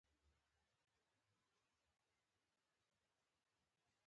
د فعل زمان د وینا وضاحت ټاکي.